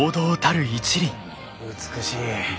美しい。